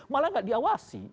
malah tidak diawasi